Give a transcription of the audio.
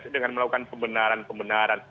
dengan melakukan kebenaran kebenaran